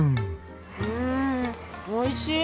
うんおいしい！